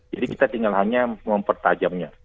jadi kita tinggal hanya mempertajamnya